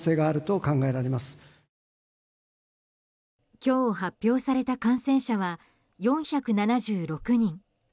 今日発表された感染者は４７６人。